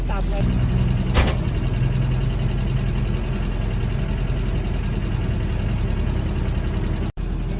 อ่ะที่มันพึ่งด้วย